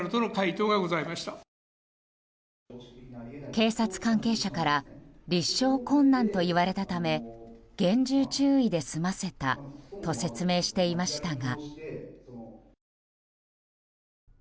警察関係者から立証困難と言われたため厳重注意で済ませたと説明していましたが。